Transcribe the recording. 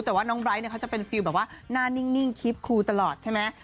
แต่ว่าน้องไบร์ทเนี่ยเขาจะเป็นฟิลแบบว่าหน้านิ่งคิปคูตลอดใช่ไหม